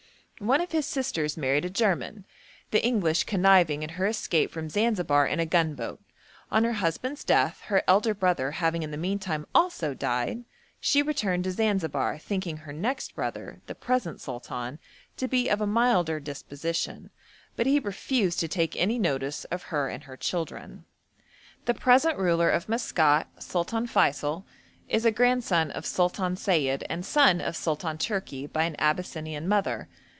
One of his sisters married a German, the English conniving at her escape from Zanzibar in a gunboat. On her husband's death, her elder brother having in the meantime also died, she returned to Zanzibar thinking her next brother, the present sultan, to be of a milder disposition, but he refused to take any notice of her and her children. The present ruler of Maskat, Sultan Feysul, is a grandson of Sultan Sayid and son of Sultan Tourki by an Abyssinian mother.